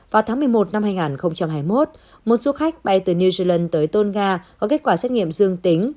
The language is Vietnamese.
vào tháng một mươi một năm hai nghìn hai mươi một một du khách bay từ new zealand tới tôn nga có kết quả xét nghiệm dương tính